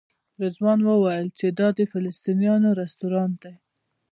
رضوان وویل چې دا د فلسطینیانو رسټورانټ دی.